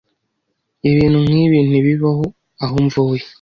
Ibintu nkibi ntibibaho aho mvuye.